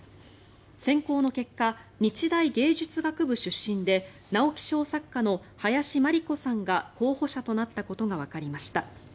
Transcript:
選考の結果日大芸術学部出身で直木賞作家の林真理子さんが候補者となったことがわかりました。